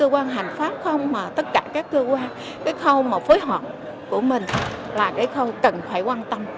cơ quan hành pháp không mà tất cả các cơ quan cái khâu mà phối hợp của mình là cái khâu cần phải quan tâm